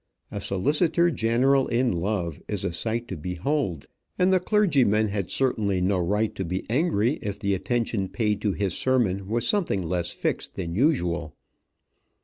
A solicitor general in love is a sight to behold; and the clergyman had certainly no right to be angry if the attention paid to his sermon was something less fixed than usual.